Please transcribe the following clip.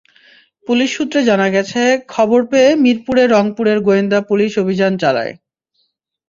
Police সূত্রে জানা গেছে, খবর পেয়ে মিরপুরে রংপুরের গোয়েন্দা পুলিশ অভিযান চালায়।